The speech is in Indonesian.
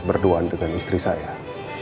berdua dengan istri saya